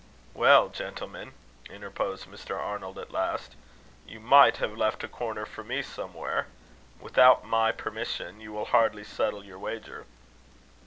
"Well, gentlemen," interposed Mr. Arnold at last, "you might have left a corner for me somewhere. Without my permission you will hardly settle your wager."